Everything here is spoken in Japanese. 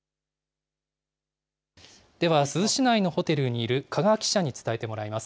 では、珠洲市内のホテルにいる加賀記者に伝えてもらいます。